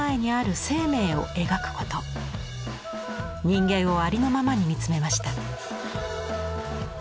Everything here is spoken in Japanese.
人間をありのままに見つめました。